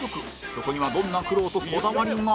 そこにはどんな苦労とこだわりが？